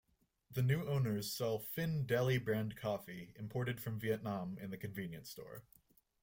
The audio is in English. The new owners sell "PhinDeli" brand coffee, imported from Vietnam, in the convenience store.